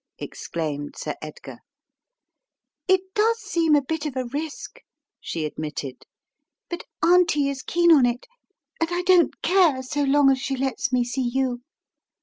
ex* claimed Sir Edgar. "It does seem a bit of a risk," she admitted, "but Auntie is keen on it and I don't care so long as she lets me see you.